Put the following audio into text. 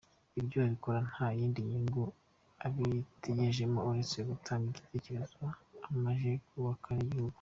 Ibyo abikora nta yindi nyungu abitegerejemo uretse gutanga ibitekerezo agamije kubaka igihugu.